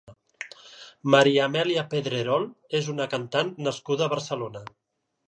Maria Amèlia Pedrerol és una cantant nascuda a Barcelona.